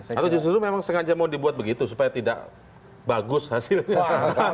atau justru memang sengaja mau dibuat begitu supaya tidak bagus hasilnya